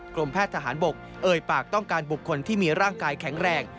กรมแพทย์ทหารบกเอ่ยปากต้องการบุคคลที่มีร่างกายแข็งแรง